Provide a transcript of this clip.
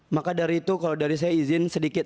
maka dari itu kalau dari saya izin sedikit